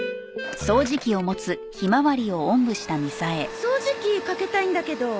掃除機かけたいんだけど。